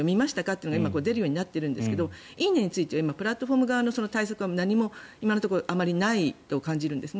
というのが今、出るようになっているんですが「いいね」についてはプラットフォーム側の対策が何もあまりないと感じるんです。